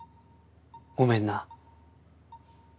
ごめんな